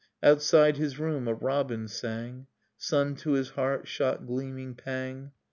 Outside his room a robin sang. Sun to his heart shot gleaming pang.